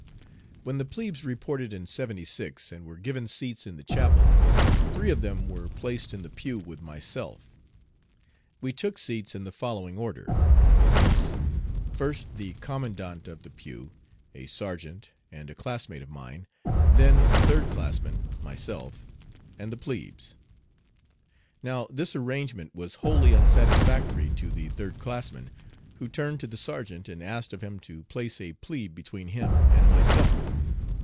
When the plebes reported in '76, and were given seats in the chapel, three of them were placed in the pew with myself. We took seats in the following order, viz., first the commandant of the pew, a sergeant and a classmate of mine, then a third classman, myself, and the plebes. Now this arrangement was wholly unsatisfactory to the third classman, who turned to the sergeant and asked of him to place a plebe between him and myself.